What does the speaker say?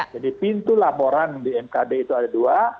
jadi pintu laporan di mkd itu ada dua